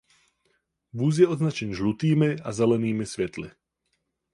Vůz je označen žlutými a zelenými světly.